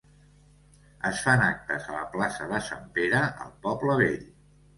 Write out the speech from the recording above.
Es fan actes a la plaça de Sant Pere al poble vell.